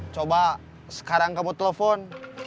coba sekarang kamu telepon